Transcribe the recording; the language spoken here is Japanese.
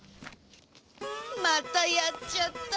またやっちゃった。